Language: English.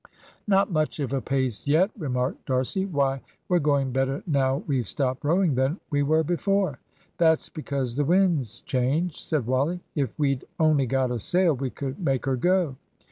"Not much of a pace yet," remarked D'Arcy. "Why, we're going better now we've stopped rowing than we were before." "That's because the wind's changed," said Wally. "If we'd only got a sail we could make her go."